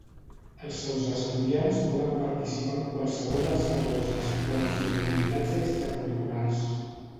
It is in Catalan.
Els seus estudiants poden participar en qualsevol dels catorze esports i activitats extracurriculars.